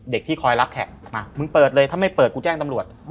ที่คอยรับแขกมามึงเปิดเลยถ้าไม่เปิดกูแจ้งตำรวจ